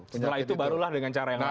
setelah itu barulah dengan cara yang lain